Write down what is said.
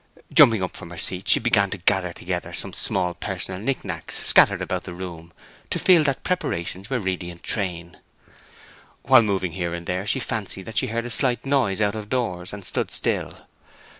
Jumping up from her seat, she began to gather together some small personal knick knacks scattered about the room, to feel that preparations were really in train. While moving here and there she fancied that she heard a slight noise out of doors, and stood still.